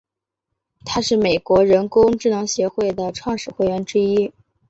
他是美国人工智能协会的创始会员之一。